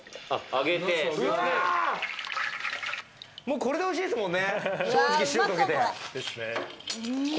これで、おいしいですものね。